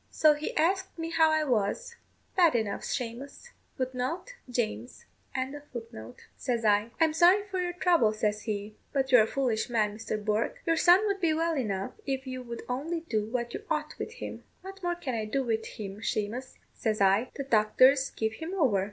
So he asked me how I was. 'Bad enough, Shamous,' says I. 'I'm sorry for your trouble,' says he; 'but you're a foolish man, Mr. Bourke. Your son would be well enough if you would only do what you ought with him.' 'What more can I do with him, Shamous?' says I; 'the doctors give him over.'